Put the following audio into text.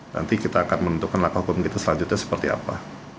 nanti kita akan menentukan langkah hukum kita selanjutnya seperti apa